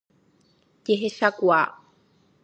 Jehechakuaa.